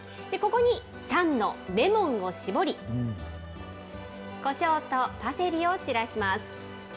ここに酸のレモンを搾り、こしょうとパセリを散らします。